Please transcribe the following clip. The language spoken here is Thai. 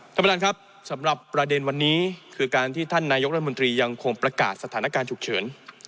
ท่านประธานครับสำหรับประเด็นวันนี้คือการที่ท่านนายกรัฐมนตรียังคงประกาศสถานการณ์ฉุกเฉิน